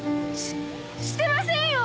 ししてませんよ！